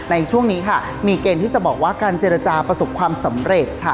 ในช่วงนี้ค่ะมีเกณฑ์ที่จะบอกว่าการเจรจาประสบความสำเร็จค่ะ